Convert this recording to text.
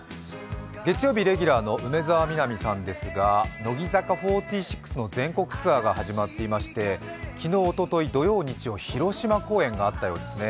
月曜日レギュラーの梅澤美波さんですが、乃木坂４６の全国ツアーが始まっていまして昨日、おととい、土曜日曜、広島公演があったようですね。